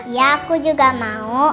iya aku juga mau